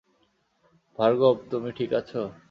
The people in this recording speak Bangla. ভার্গব, তুমি ঠিক আছ?